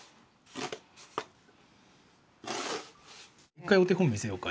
一回お手本見せようか？